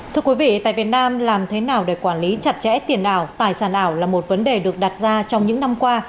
thưa quý vị tại việt nam làm thế nào để quản lý chặt chẽ tiền ảo tài sản ảo là một vấn đề được đặt ra trong những năm qua